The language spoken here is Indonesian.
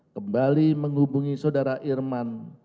kembali menghubungi saudara irman